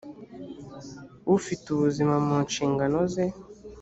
ufite ubuzima mu nshingano ze